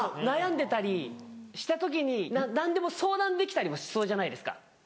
悩んでたりした時に何でも相談できたりもしそうじゃないですか。